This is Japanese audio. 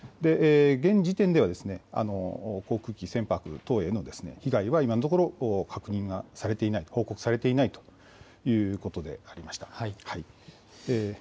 現時点では航空機、船舶等への被害は今のところ、報告されていないということでありました。